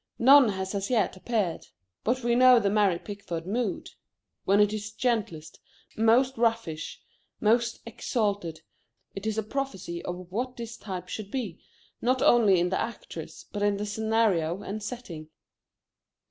None has as yet appeared. But we know the Mary Pickford mood. When it is gentlest, most roguish, most exalted, it is a prophecy of what this type should be, not only in the actress, but in the scenario and setting.